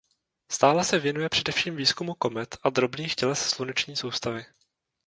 Stále se věnuje především výzkumu komet a drobných těles sluneční soustavy.